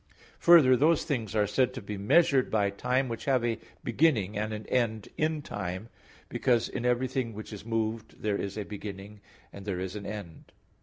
Further, those things are said to be measured by time which have a beginning and an end in time, because in everything which is moved there is a beginning, and there is an end.